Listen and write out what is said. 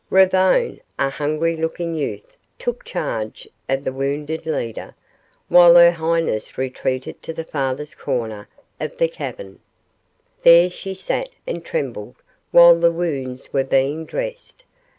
Ravone, a hungry looking youth, took charge of the wounded leader, while her highness retreated to the farthest corner of the cavern. There she sat and trembled while the wounds were being dressed.